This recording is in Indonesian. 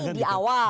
gugatan ini di awal